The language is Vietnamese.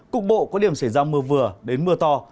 cục bộ có điểm xảy ra mưa vừa đến mưa to